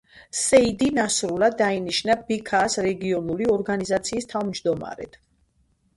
სეიდი ნასრულა დაინიშნა ბიქაას რეგიონული ორგანიზაციის თავმჯდომარედ.